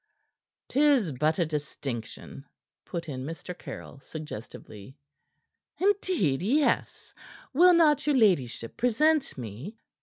"'Tis but a distinction," put in Mr. Caryll suggestively. "Indeed, yes. Will not your ladyship present me?"